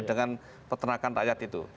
dengan peternakan rakyat itu